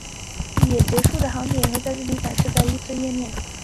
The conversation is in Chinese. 也结束的航点也会展示在这页面。